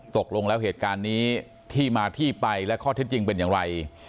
ตกลงแล้วเหตุการณ์นี้ที่มาที่ไปและข้อเท็จจริงเป็นอย่างไร